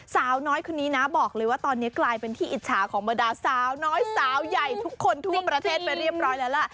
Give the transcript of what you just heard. สาวน้อยคนนี้นะบอกเลยว่าตอนนี้กลายเป็นที่อิจฉาของบรรดาสาวน้อยสาวใหญ่ทุกคนทั่วประเทศไปเรียบร้อยแล้วล่ะ